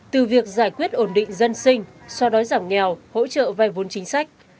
từ việc giải quyết ổn định dân sinh so đối giảm nghèo hỗ trợ vai vốn chính sách